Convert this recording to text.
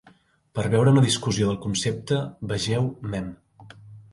Per veure una discussió del concepte, vegeu Mem.